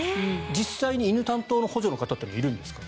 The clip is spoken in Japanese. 実際に犬担当の補助の方はいるんですか？